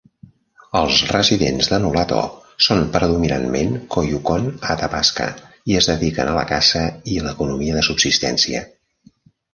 Els residents de Nulato són predominantment Koyukon Atapasca i es dediquen a la caça i l'economia de subsistència.